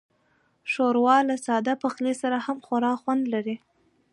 ښوروا له ساده پخلي سره هم خورا خوند لري.